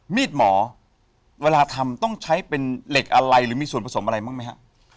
มีดหมอเวลาทำต้องใช้เป็นเหล็กอะไรหรือมีส่วนผสมอะไรบ้างไหมฮะ